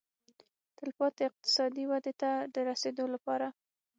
تلپاتې اقتصادي ودې ته د رسېدو لپاره.